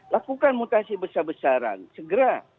lakukan mutasi besar besaran segera